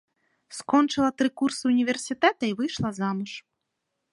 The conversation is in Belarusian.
Скончыла тры курсы ўніверсітэта і выйшла замуж.